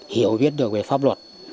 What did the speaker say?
hiểu biết được về pháp luật